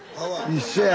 一緒や。